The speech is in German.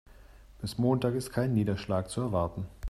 Bis Montag ist kein Niederschlag zu erwarten.